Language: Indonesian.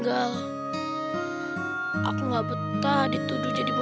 kak bangun kak